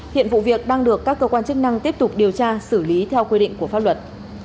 hiện vụ việc đang được các cơ quan chức năng tiếp tục điều tra xử lý theo quy định của pháp luật